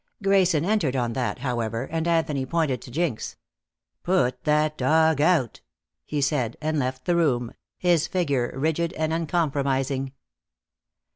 Grayson entered on that, however, and Anthony pointed to Jinx. "Put that dog out," he said, and left the room, his figure rigid and uncompromising.